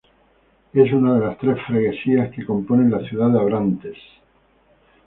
Es una de las tres freguesias que componen la ciudad de Abrantes.